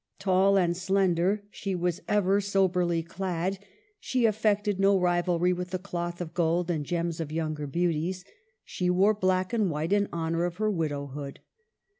Tall and slender, she was ever soberly clad ; she affected no rivalry with the cloth of gold and gems of younger beauties; she wore black and white in honor of her widowhood.